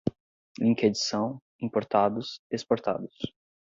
linkedição, importados, exportados